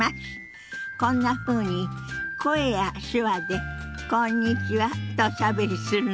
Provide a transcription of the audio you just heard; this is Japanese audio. こんなふうに声や手話で「こんにちは」とおしゃべりするの。